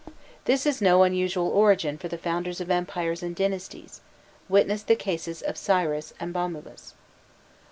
This is no unusual origin for the founders of empires and dynasties; witness the cases of Cyrus and Bomulus.